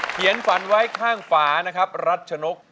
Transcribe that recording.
เขียนฝันไว้ข้างฝานะครับรัชนก